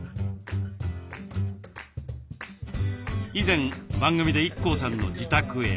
以前番組でＩＫＫＯさんの自宅へ。